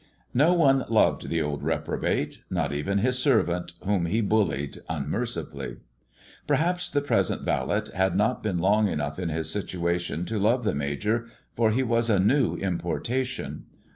No one loved the old reprobate. Not even his servant, whom he bullied unmercifully. Perhaps the present valet had not been long enough in his situation to love the Major, for he was a new importation.